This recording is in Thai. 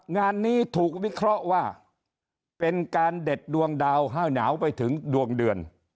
งานนี้ถูกวิเคราะห์ว่าเป็นการเด็ดดวงดาวให้หนาวไปถึงดวงเดือน